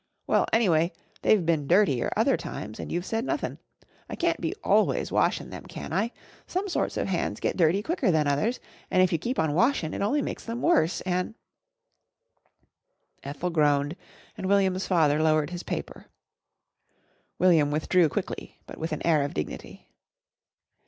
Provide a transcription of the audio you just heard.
"Well, anyway, they've been dirtier other times and you've said nothin'. I can't be always washin' them, can I? Some sorts of hands get dirty quicker than others an' if you keep on washin' it only makes them worse an' " Ethel groaned and William's father lowered his paper. William withdrew quickly but with an air of dignity.